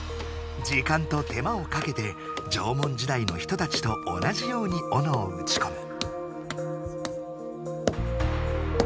時間と手間をかけて縄文時代の人たちと同じようにオノをうちこむ。